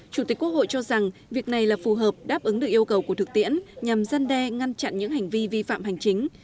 chủ tịch quốc hội cho rằng việc này là phù hợp đáp ứng được yêu cầu của thực tiễn nhằm gian đe ngăn chặn những hành vi vi phạm hành chính